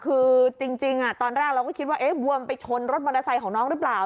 เอ๊ะบวมไปชนรถมอเตอร์ไซค์ของน้องหรือเปล่า